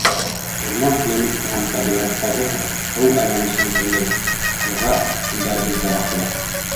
Урман климатты һәм тәбиғәттәге һыу әйләнешен көйләй, йылға-күлдәребеҙҙе һаҡлай.